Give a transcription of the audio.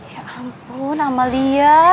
ya ampun amalia